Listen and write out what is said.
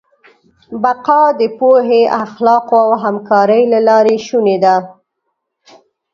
بقا د پوهې، اخلاقو او همکارۍ له لارې شونې ده.